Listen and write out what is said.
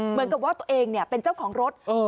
เหมือนกับว่าตัวเองเนี่ยเป็นเจ้าของรถเออ